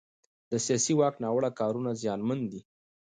د سیاسي واک ناوړه کارونه زیانمن دي